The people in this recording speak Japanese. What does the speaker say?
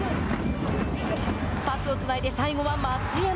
パスをつないで最後は増山。